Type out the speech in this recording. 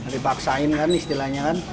dipaksain kan istilahnya kan